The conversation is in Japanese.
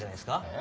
え？